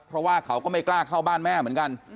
เพราะว่าเขาก็ไม่กล้าเข้าบ้านแม่เหมือนกัน